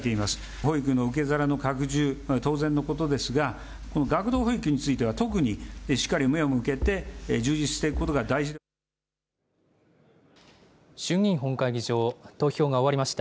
保育の受け皿の拡充、当然のことですが、学童保育については特にしっかり目を向けて、充実していくことが衆議院本会議場、投票が終わりました。